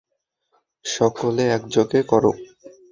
সকলে একযোগে করো!